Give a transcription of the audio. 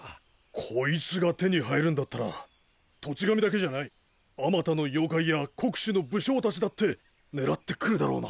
こいつが手に入るんだったら土地神だけじゃない数多の妖怪や国主の武将達だって狙ってくるだろうな。